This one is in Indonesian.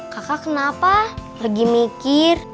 kakak kenapa pergi mikir